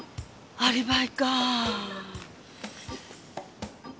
アリバイ。